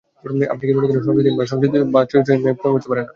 আপনি কি মনে করেন সংস্কৃতিহীন বা চরিত্রহীন মেয়ে প্রেমে পড়তে পারে না?